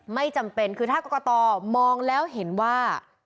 ไม่จำเป็นคือถ้ากรกตมองแล้วเห็นว่า